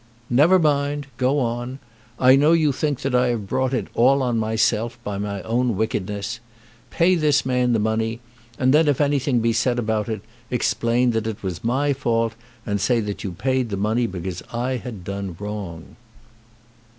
"Never mind. Go on. I know you think that I have brought it all on myself by my own wickedness. Pay this man the money, and then if anything be said about it, explain that it was my fault, and say that you paid the money because I had done wrong."